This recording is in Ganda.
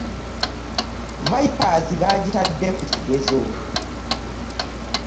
Vipers bagitadde kukigezo.